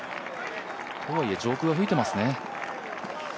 とはいえ上空は吹いてますね。